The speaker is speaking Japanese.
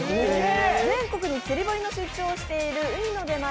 全国に釣堀の出張をしている海の出前